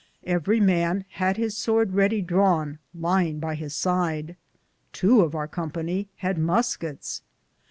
Everie man had his Sorde reddie Drawne lyinge by his side ; tow of our company had musketes.